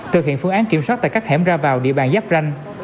thực hiện phương án kiểm soát tại các hẻm ra vào địa bàn giáp ranh